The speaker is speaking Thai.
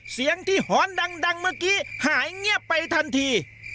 เสียงที่หอนดังเมื่อกี้หายเงียบไปทันที